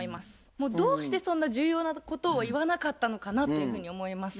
もうどうしてそんな重要なことを言わなかったのかなっていうふうに思いますね。